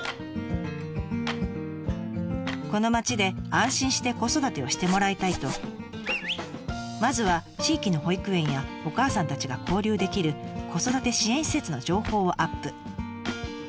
この町で安心して子育てをしてもらいたいとまずは地域の保育園やお母さんたちが交流できる子育て支援施設の情報をアップ。